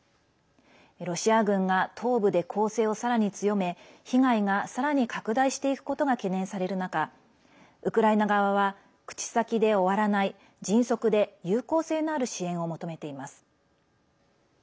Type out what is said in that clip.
ロシア軍が東部で攻勢をさらに強め被害がさらに拡大していくことが懸念される中ウクライナ側は口先で終わらない迅速で有効性のある支援を求めています。